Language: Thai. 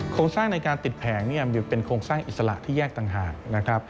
โครงสร้างในการติดแผงเป็นโครงสร้างอิสระที่แยกต่างหากนะครับ